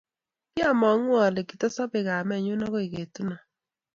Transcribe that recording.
kiamangu ale kitosopei kamenyu akoi ketuno